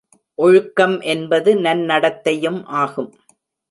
ஒழுக்கம் என்பது நன்னடத்தையும் ஆகும்.